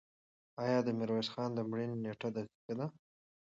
آیا د میرویس خان د مړینې نېټه دقیقه ده؟